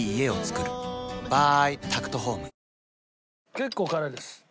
結構辛いです。